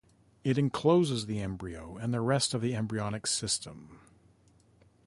It encloses the embryo and the rest of the embryonic system.